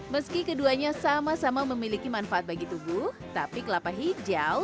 meski keduanya sama sama memiliki manfaat bagi tubuh tapi kelapa hijau